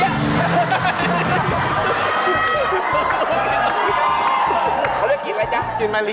เค้าเรียกกิริ่นอะไรจ๊ะกิริ่นมะลิ